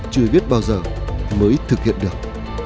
chưa biết bao giờ mới thực hiện được